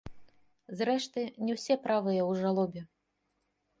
Зрэшты, не ўсе правыя ў жалобе.